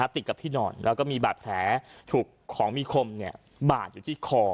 ติดกับที่นอนแล้วก็มีบาดแผลถูกของมีคมบาดอยู่ที่คอ